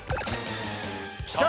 きた！